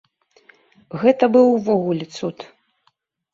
Гэта быў увогуле цуд.